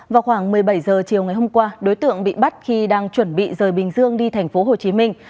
vào khoảng một mươi bảy giờ chiều ngày hôm qua đối tượng bị bắt khi đang chuẩn bị rời bình dương đi thành phố hồ chí minh